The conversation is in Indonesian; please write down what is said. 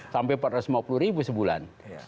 sampai rp empat ratus lima puluh sebulan